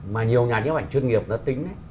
mà nhiều nhà những ảnh chuyên nghiệp nó tính